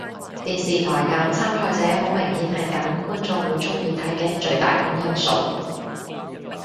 電視台揀參賽者好明顯係揀觀眾會鍾意睇嘅最大公因數